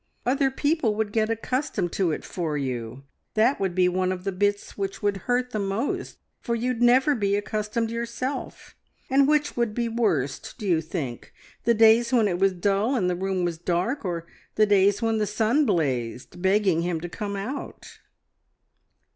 Other people would get accustomed to it for you that would be one of the bits which would hurt the most for you'd never be accustomed yourself. And which would be worst, do you think the days when it was dull and the room was dark, or the days when the sun blazed, begging him to come out?"